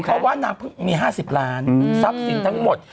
เพราะว่านางเพิ่งมี๕๐ล้านทรัพย์สินทั้งหมด